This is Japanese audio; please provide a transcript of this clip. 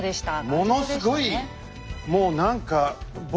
ものすごい